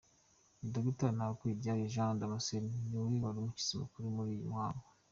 Dr Ntawukuriryayo Jean Damascene niwe wari umushyitsi mukuru muri uyu muhango.